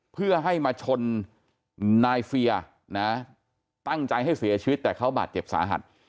เพื่อให้มาชนนายเฟียนะตั้งใจให้เสียชีวิตแต่เขาบาดเจ็บสาหัส